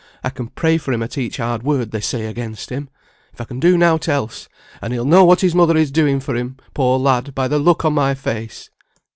I can pray for him at each hard word they say against him, if I can do nought else; and he'll know what his mother is doing for him, poor lad, by the look on my face."